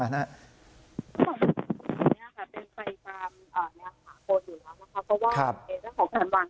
เป็นภัยตามแนวขาคลวดอยู่แล้วนะครับ